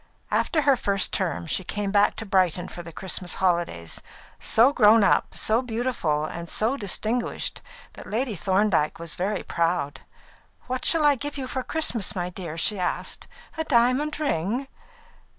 After her first term, she came back to Brighton for the Christmas holidays, so grown up, so beautiful, and so distinguished that Lady Thorndyke was very proud. "What shall I give you for Christmas, my dear?" she asked. "A diamond ring?"